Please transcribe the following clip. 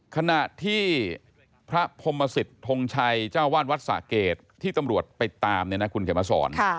ขณะที่พระพรมศิษย์ทงชัยเจ้าวาดวัดสะเกดที่ตำรวจไปตามเนี่ยนะคุณเขียนมาสอน